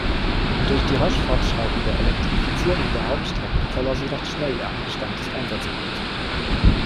Durch die rasch fortschreitende Elektrifizierung der Hauptstrecken verlor sie recht schnell ihr angestammtes Einsatzgebiet.